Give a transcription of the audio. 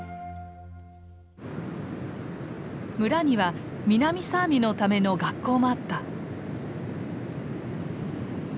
村には南サーミのための学校もあった。